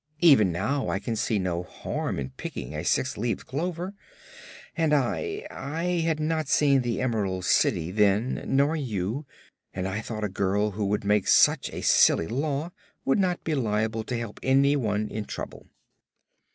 Even now I can see no harm in picking a six leaved clover. And I I had not seen the Emerald City, then, nor you, and I thought a girl who would make such a silly Law would not be likely to help anyone in trouble."